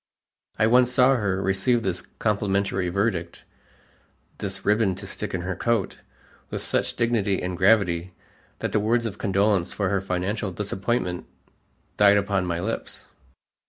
I once saw her receive this complimentary verdict "this ribbon to stick in her coat" with such dignity and gravity that the words of condolence for her financial disappointment, died upon my lips.